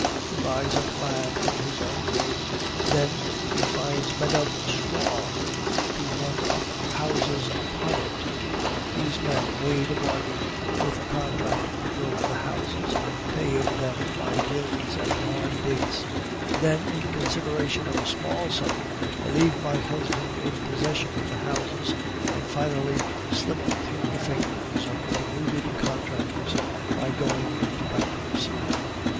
He buys up land in his own name, then he finds men of straw to run up houses upon it. These men make a bargain with a contractor to build the houses, paying them by bills at long dates; then in consideration of a small sum they leave my husband in possession of the houses, and finally slip through the fingers of the deluded contractors by going into bankruptcy.